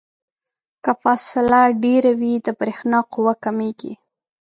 که فاصله ډیره وي د برېښنا قوه کمیږي.